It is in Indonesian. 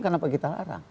kenapa kita larang